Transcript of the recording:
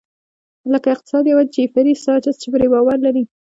لکه اقتصاد پوه جیفري ساچس چې پرې باور لري.